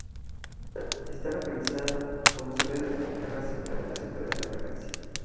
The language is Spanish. Está localizada, como se ve desde la Tierra, cercana al centro de la galaxia.